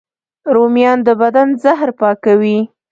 رومیان د بدن زهر پاکوي